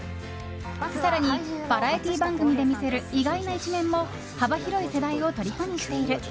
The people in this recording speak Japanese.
更にバラエティー番組で見せる意外な一面も幅広い世代をとりこにしている。